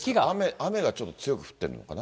雨がちょっと強く降ってるのかな。